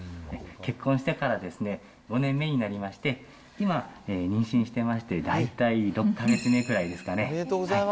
結婚してからですね、５年目になりまして、今、妊娠してまして、大体６か月目ぐらいですかね。